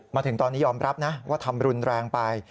มาถึงตอนนี้ยอมรับนะว่าทำรุนแรงไป